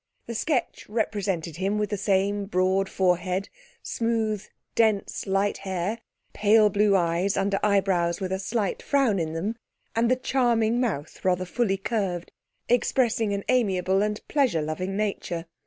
The sketch represented him with the same broad forehead, smooth, dense light hair, pale blue eyes under eyebrows with a slight frown in them, and the charming mouth rather fully curved, expressing an amiable and pleasure loving nature.